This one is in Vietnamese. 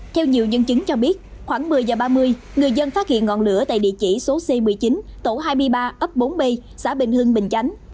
theo nhiều nhân chứng cho biết khoảng một mươi h ba mươi người dân phát hiện ngọn lửa tại địa chỉ số c một mươi chín tổ hai mươi ba ấp bốn b xã bình hưng bình chánh